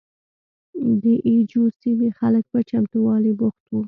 د اي جو سیمې خلک په چمتوالي بوخت وو.